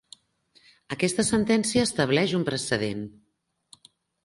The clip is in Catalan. Aquesta sentència estableix un precedent.